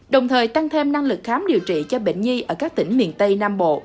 đồng thời tăng thêm năng lực khám điều trị cho bệnh nhi ở các tỉnh miền tây nam bộ